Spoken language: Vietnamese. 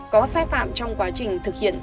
có sai phạm trong quá trình thực hiện